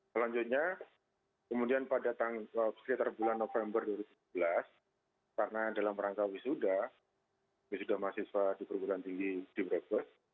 selanjutnya kemudian pada sekitar bulan november dua ribu tujuh belas karena dalam rangka wisuda wisuda mahasiswa di perguruan tinggi di brebes